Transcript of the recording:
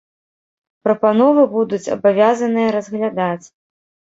Прапановы будуць абавязаныя разглядаць.